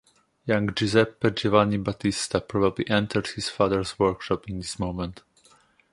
Young Giuseppe Giovanni Battista probably entered his father’s workshop in this moment.